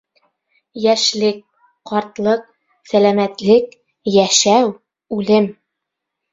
Йәшлек, ҡартлыҡ, сәләмәтлек, йәшәү, үлем